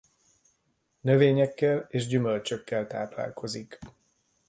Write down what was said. Növényekkel és gyümölcsökkel táplálkozik.